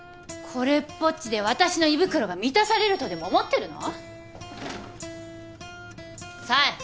「これっぽっちで私の胃袋が満たされるとでも思ってるの？」